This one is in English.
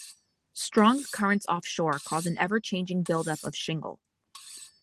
Strong currents offshore cause an ever-changing build-up of shingle.